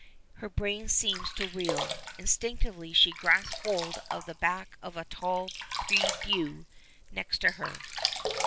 Her brain seems to reel. Instinctively she grasps hold of the back of a tall prie dieu next to her.